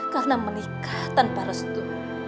karena menikah tanpa restu